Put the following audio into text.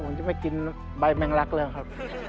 ผมจะไปกินใบแมงรักแล้วครับ